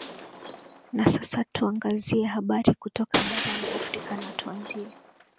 na sasa tuangazie habari kutoka barani afrika na tuanzie